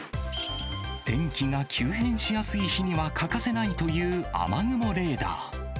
天気が急変しやすい日には欠かせないという雨雲レーダー。